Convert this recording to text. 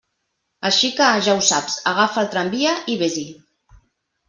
Així que, ja ho saps, agafa el tramvia i vés-hi!